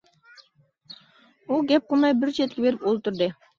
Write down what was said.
ئۇ گەپ قىلماي بىر چەتكە بېرىپ ئولتۇردى.